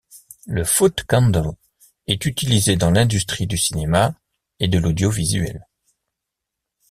Le foot-candle est utilisé dans l'industrie du cinéma et de l'audiovisuel.